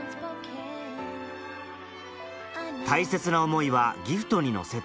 大切な思いはギフトに乗せて